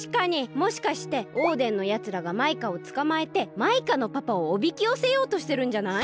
もしかしてオーデンのやつらがマイカをつかまえてマイカのパパをおびきよせようとしてるんじゃない？